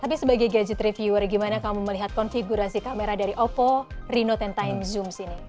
oke gadget reviewer gimana kamu melihat konfigurasi kamera dari oppo reno sepuluh time zoom ini